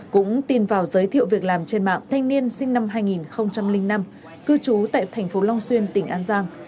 cũng tin vào giới thiệu việc làm trên mạng thanh niên sinh năm hai nghìn năm cư trú tại thành phố long xuyên tỉnh an giang